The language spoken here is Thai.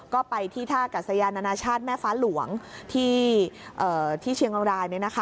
ก็ไปที่ท่ากัศยานานาชาติแม่ฟ้าหลวงที่เชียงราย